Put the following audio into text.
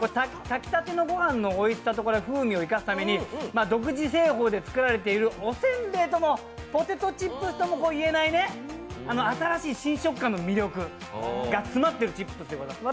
炊きたてのごはんのおいしさと風味を生かすために独自製法で作られているおせんべいともポテトチップスともいえない新しい新食感の魅力が詰まっているチップスでございます。